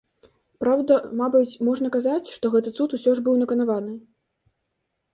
Праўда, мабыць, можна казаць, што гэты цуд усё ж быў наканаваны.